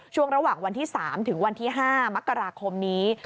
ช่วงระหว่างวันที่๓ถึงวันที่๕มกราคมนี้